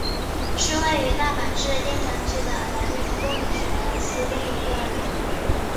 是位于大阪市淀川区的男女共学私立幼儿园。